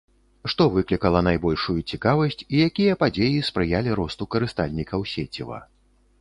Што выклікала найбольшую цікавасць і якія падзеі спрыялі росту карыстальнікаў сеціва.